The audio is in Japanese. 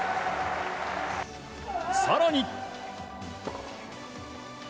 更に。